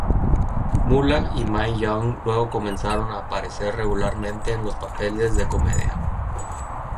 Moolah y Mae Young luego comenzaron a aparecer regularmente en los papeles de comedia.